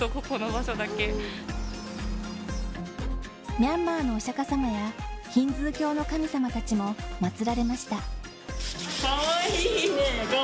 ミャンマーのお釈迦様やヒンズー教の神様たちもまつられました。